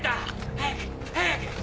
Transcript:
早く早く！